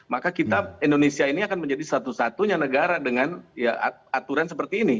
maka kita indonesia ini akan menjadi satu satunya negara dengan aturan seperti ini